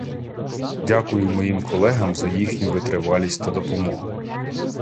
Дякую моїм колегам за їхню витривалість та допомогу.